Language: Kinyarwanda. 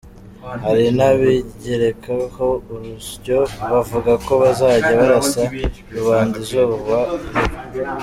Hari nabigereka ho urusyo bavuga ko bazajya barasa rubanda izuba riva.